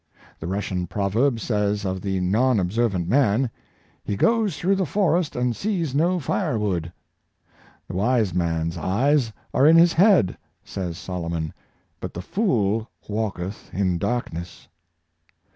The Rus sian proverb says of the non observant man, " He goes through the forest and sees no firewood." " The wise man's eyes are in his head," says Solomon, " but the fool walketh in darkness."